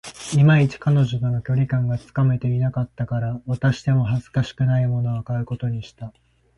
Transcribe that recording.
いまいち、彼女との距離感がつかめていなかったから、渡しても恥ずかしくないものを買うことにした